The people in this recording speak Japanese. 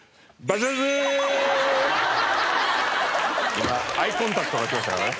今アイコンタクトが来ましたからね。